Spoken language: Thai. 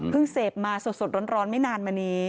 เสพมาสดร้อนไม่นานมานี้